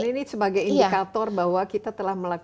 ini sebagai indikator bahwa kita telah melakukan